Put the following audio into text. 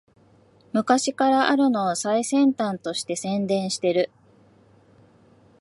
昔からあるのを最先端として宣伝してる